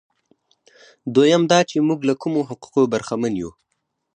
دویم دا چې موږ له کومو حقوقو برخمن یو.